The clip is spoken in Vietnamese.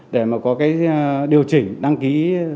để có điều chỉnh đăng ký